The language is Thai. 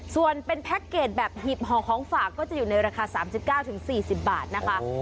ส่วนเป็นแพ็คเกจแบบหีบห่อของฝากก็จะอยู่ในราคา๓๙๔๐บาทนะคะ